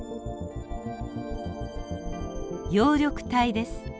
葉緑体です。